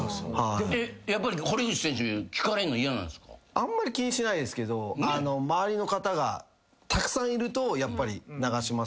あんまり気にしないですけど周りの方がたくさんいるとやっぱり流しますね。